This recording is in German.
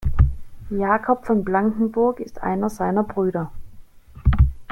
Jacob von Blanckenburg ist einer seiner Brüder.